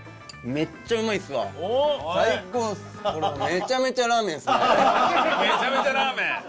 「めちゃめちゃラーメン」。